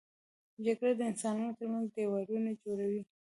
جګړه د انسانانو تر منځ دیوالونه جوړوي